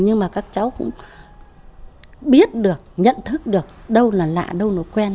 nhưng mà các cháu cũng biết được nhận thức được đâu là lạ đâu là quen